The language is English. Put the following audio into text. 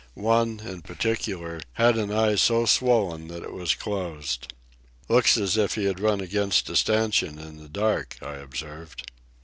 One, in particular, had an eye so swollen that it was closed. "Looks as if he had run against a stanchion in the dark," I observed.